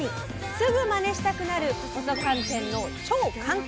すぐマネしたくなる細寒天の超簡単！